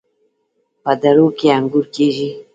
په درو کې انګور کیږي.